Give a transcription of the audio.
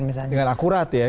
dengan akurat ya